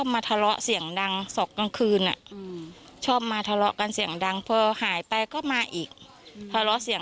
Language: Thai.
มีเสียงทะเลาะกันแต่ไม่รู้ว่าเขาฆ่ากันตาย